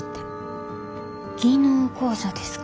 技能講座ですか？